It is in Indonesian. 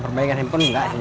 perbaikan handphone enggak sih